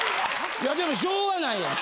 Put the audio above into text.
いやでもしょうがないやん。